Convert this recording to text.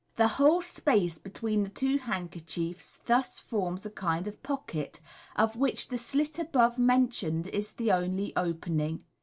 The whole space between the two handkerchiefs thus forms a kind of pocket, of which the slit above mentioned is the only opening.